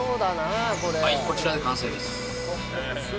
はいこちらで完成です。